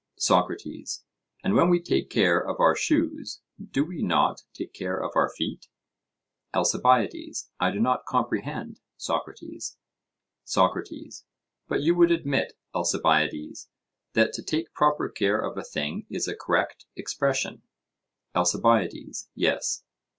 SOCRATES: And when we take care of our shoes, do we not take care of our feet? ALCIBIADES: I do not comprehend, Socrates. SOCRATES: But you would admit, Alcibiades, that to take proper care of a thing is a correct expression? ALCIBIADES: Yes.